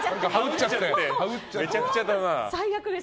めちゃくちゃで。